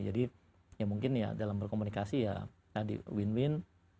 jadi ya mungkin ya dalam berkomunikasi ya tadi win win